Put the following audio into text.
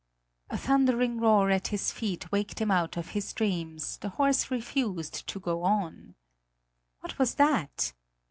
A thundering roar at his feet waked him out of his dreams; the horse refused to go on. What was that?